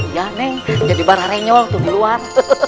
iya neng jadi bara renyol tuh di luar